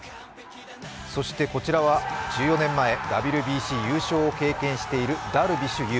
そしてこちらは１４年前、ＷＢＣ優勝を経験しているダルビッシュ有。